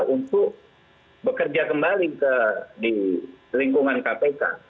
untuk bekerja kembali di lingkungan kpk